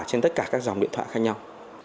trên tất cả các dòng điện thoại khác nhau